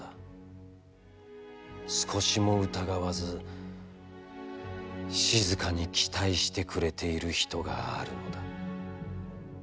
少しも疑わず、静かに期待してくれている人があるのだ。